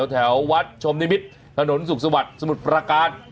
แถววัดชมนิมิตรถนนสุขสวัสดิ์สมุทรประการ